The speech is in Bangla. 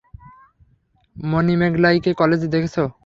মানিমেগলাইকে কলেজে দেখেছো?